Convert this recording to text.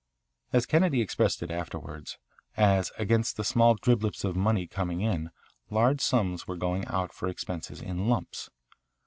As Kennedy expressed it afterwards, as against the small driblets of money coming in, large sums were going out for expenses in lumps.